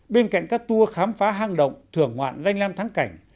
bên cạnh các tour khám phá hang động thưởng ngoạn danh lam thắng cảnh